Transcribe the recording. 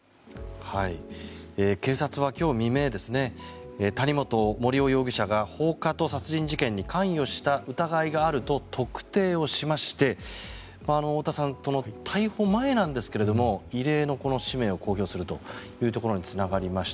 警察は今日未明谷本盛雄容疑者が放火と殺人事件に関与した疑いがあると特定をしまして太田さん、逮捕前なんですが異例のこの氏名を公表するというところにつながりました。